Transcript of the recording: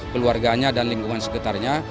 keluarganya dan lingkungan sekitarnya